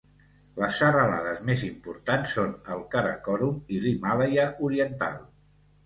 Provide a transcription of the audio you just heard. Les serralades més importants són el Karakorum i l'Himàlaia oriental.